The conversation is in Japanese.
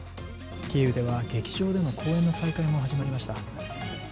キーウでは劇場での公演の再会が始まりました。